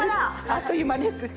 あっという間です。